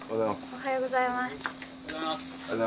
おはようございます。